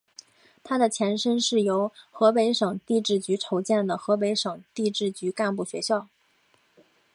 他的前身是由河北省地质局筹建的河北省地质局干部学校。